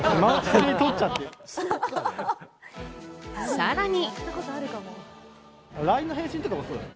さらに。